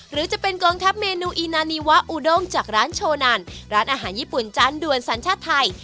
หรือจะเป็นกองทัพเมนูอีนานีวะอูด้งจากร้านโชนันร้านอาหารญี่ปุ่นจานด่วนสัญชาติไทย